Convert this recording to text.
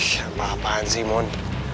gak apa apaan sih mon